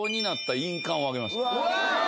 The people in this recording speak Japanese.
うわ！